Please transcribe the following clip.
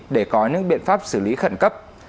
để có những biện pháp xử lý khẩn cấp